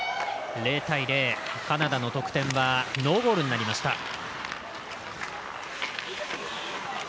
０対０、カナダの得点はノーゴールになりました。